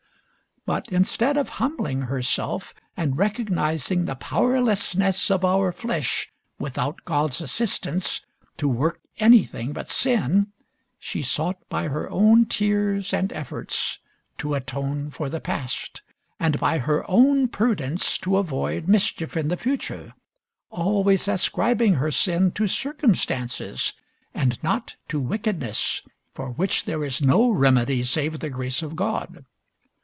But instead of humbling herself, and recognising the powerlessness of our flesh, without God's assistance, to work anything but sin, she sought by her own tears and efforts to atone for the past, and by her own prudence to avoid mischief in the future, always ascribing her sin to circumstances and not to wickedness, for which there is no remedy save the grace of God.